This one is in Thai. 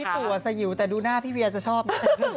แปลงคราวสยิ๋วแต่ดูหน้าพี่เวียจะชอบไหม